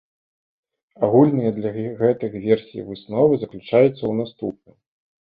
Агульныя для гэтых версій высновы заключаюцца ў наступным.